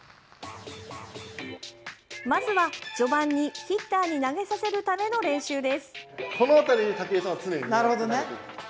まずは、序盤にヒッターに投げさせるための練習です。